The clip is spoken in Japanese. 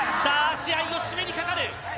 試合の締めにかかる。